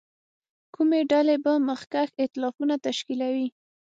کومې ډلې به مخکښ اېتلافونه تشکیلوي.